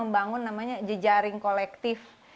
bangun namanya jejaring kolektif